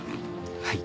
はい。